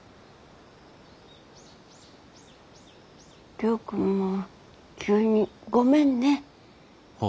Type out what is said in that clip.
亮君も急にごめんね。